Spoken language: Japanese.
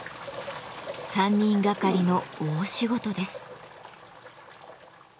３人がかりの大仕事です。